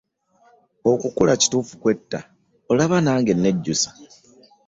Okukula kituufu kwetta olaba nange nnejjusa!